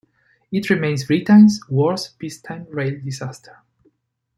It remains Britain's worst peacetime rail disaster.